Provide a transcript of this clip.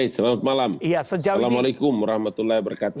selamat malam assalamualaikum warahmatullahi wabarakatuh